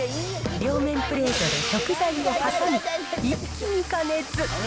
両面プレートで食材を挟み、一気に加熱。